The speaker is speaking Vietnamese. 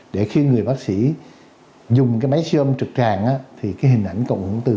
để khi người bác sĩ dùng cái máy siêu âm trực trạng thì cái hình ảnh cọng hưởng tư